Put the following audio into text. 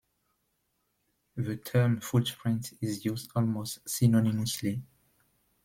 The term "footprint" is used almost synonymously.